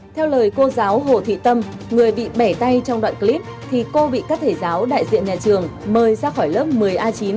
theo lời cô giáo hồ thị tâm người bị bẻ tay trong đoạn clip thì cô bị các thầy giáo đại diện nhà trường mời ra khỏi lớp một mươi a chín